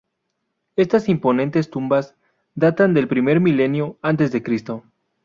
Estas imponentes tumbas datan del primer milenio antes de Cristo.